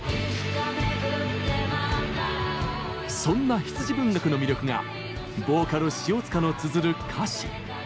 そんな羊文学の魅力がボーカル・塩塚のつづる歌詞。